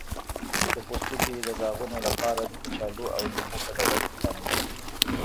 د پوستکي د داغونو لپاره د کچالو او لیمو ګډول وکاروئ